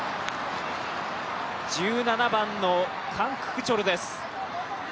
１７番のカン・ククチョルです。